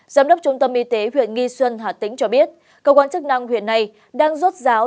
giám đốc trung tâm y tế huyện nghi xuân hà tĩnh cho biết cơ quan chức năng huyện này đang rốt ráo